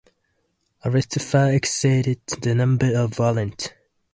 Arrests far exceeded the number of warrants.